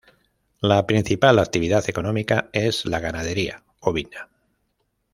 La principal actividad económica es la ganadería ovina.